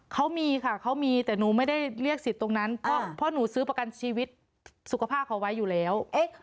เขามีค่ะเขามีแต่หนูไม่ได้เรียกสิทธิ์ตรงนั้นเพราะหนูซื้อประกันชีวิตสุขภาพเขาไว้อยู่แล้ว